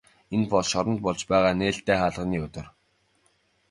Энэ бол шоронд болж байгаа нээлттэй хаалганы өдөр.